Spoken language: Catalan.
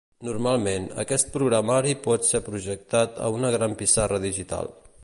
Normalment, aquest programari pot ser projectat a una gran pissarra digital.